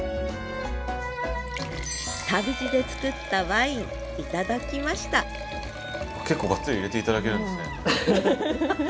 旅路でつくったワイン頂きました結構がっつり入れて頂けるんですね。